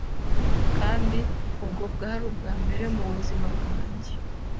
kandi ubwo bwari ubwa mbere mu buzima bwanjye.